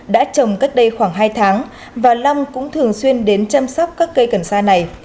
đã trồng cách đây khoảng hai tháng và long cũng thường xuyên đến chăm sóc các cây cần sa này